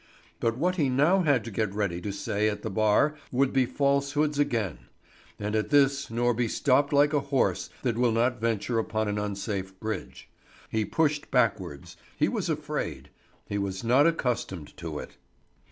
But what he now had to get ready to say at the bar would be falsehoods again; and at this Norby stopped like a horse that will not venture upon an unsafe bridge. He pushed backwards; he was afraid; he was not accustomed to it.